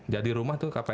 jadi rumah tuh kpr